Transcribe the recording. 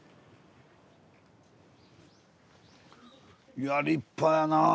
いや立派やな。